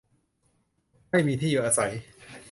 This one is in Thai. ไม่มีที่อยู่อาศัย